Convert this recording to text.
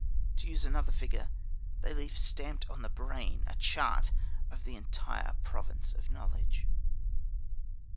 To use another figure, they leave stamped on the brain a chart of the entire province of knowledge.